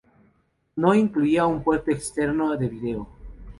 No incluía un puerto externo de vídeo.